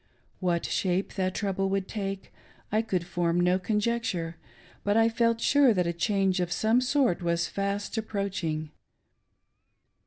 What shape that trouble would take, I could form no conjecture, but I felt sure that a change of some sort was fast approaching.